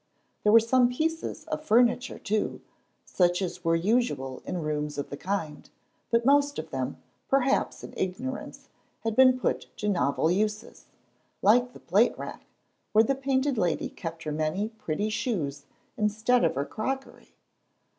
There were some pieces of furniture too, such as were usual in rooms of the kind, but most of them, perhaps in ignorance, had been put to novel uses, like the plate rack, where the Painted Lady kept her many pretty shoes instead of her crockery.